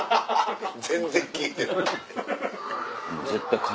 全然聞いてない。